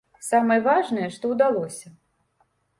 Самае важнае, што ўдалося.